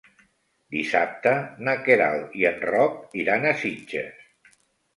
Dissabte na Queralt i en Roc iran a Sitges.